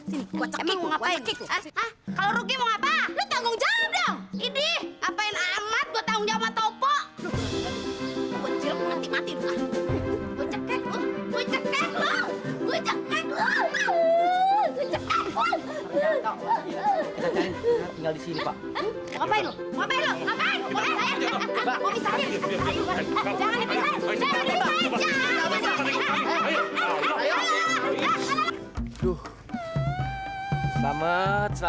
sampai jumpa di video selanjutnya